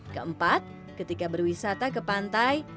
keempat ketika berwisata ke pantai